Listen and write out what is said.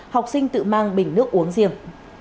học sinh tự mang bình nước uống riêng